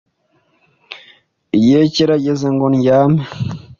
Igihe kirageze ngo ndyame.